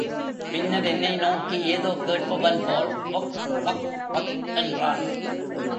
பின்னர் என்னை நோக்கி எதோ கேட்பவன் போல் வ்க் வக் வக்! என்றான்.